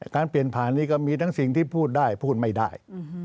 การเปลี่ยนผ่านนี้ก็มีทั้งสิ่งที่พูดได้พูดไม่ได้